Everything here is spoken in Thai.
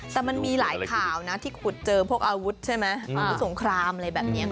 แต่มันมีหลายข่าวนะที่ขุดเจอพวกอาวุธใช่ไหมอาวุธสงครามอะไรแบบนี้